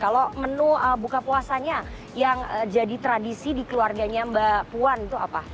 kalau menu buka puasanya yang jadi tradisi di keluarganya mbak puan itu apa